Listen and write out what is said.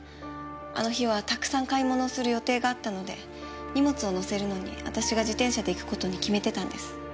あの日はたくさん買い物をする予定があったので荷物を乗せるのに私が自転車で行く事に決めてたんです。